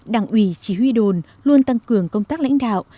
đảng ủy chỉ huy đồn luôn tăng cường công tác lãnh đạo